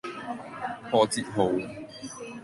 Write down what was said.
破折號